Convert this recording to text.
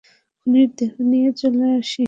খুনীর দেহ নিয়ে আসি চল!